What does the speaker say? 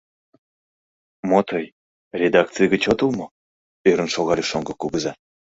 — Мо тый... редакций гыч отыл мо? — ӧрын шогале шоҥго кугыза.